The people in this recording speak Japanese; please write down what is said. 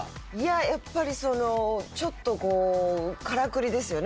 やっぱりそのちょっとこうからくりですよね